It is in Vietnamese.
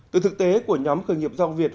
từ thực tế của nhóm khởi nghiệp do việt